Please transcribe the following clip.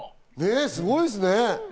すごいですね。